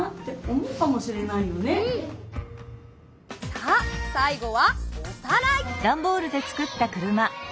さあさいごはおさらい！